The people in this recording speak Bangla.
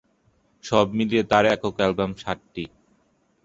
সব মিলিয়ে তার একক অ্যালবাম সাতটি।